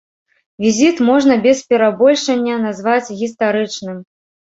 Візіт можна без перабольшання назваць гістарычным.